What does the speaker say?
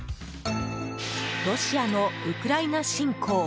ロシアのウクライナ侵攻。